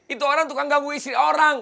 itu orang tukang gabu istri orang